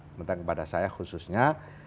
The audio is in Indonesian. memerintahkan kepada saya khususnya